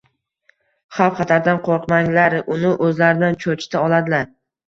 Xavf-xatardan qo’rqmaganlar uni o’zlaridan cho’chita oladilar.